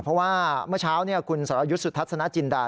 เพราะว่ามันเช้านี่คุณสระยุสุทธัษณจิณดา